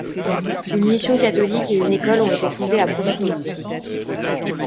Une mission catholique et une école ont été fondées à proximité.